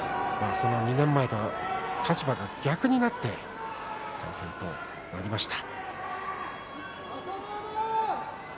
その２年前とは立場が逆になって対戦となりました。